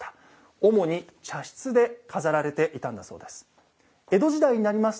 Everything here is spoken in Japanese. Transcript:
主に茶室で飾られていたんだそうです。